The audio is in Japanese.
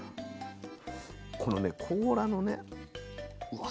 このね甲羅のね。